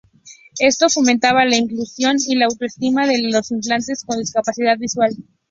Esto fomentaba la inclusión y la autoestima de los infantes con discapacidad visual.